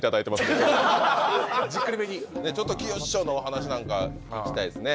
ちょっときよし師匠のお話なんかいきたいですね。